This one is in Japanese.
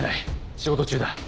仕事中だ。